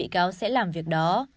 bị cáo sẽ làm việc đó